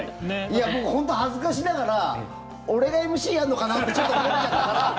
本当に恥ずかしながら俺がＭＣやるのかなってちょっと思っちゃった。